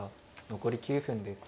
残り９分です。